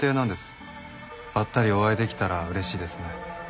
ばったりお会いできたら嬉しいですね。